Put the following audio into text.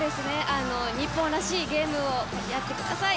日本らしいゲームをやってください。